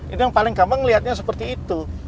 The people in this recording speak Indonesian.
itu yang paling gampang lihatnya seperti itu